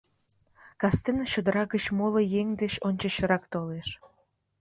Кастене чодыра гыч моло еҥ деч ончычрак толеш.